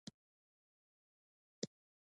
د عقلانیت منطق ته غاړه اېښې ده.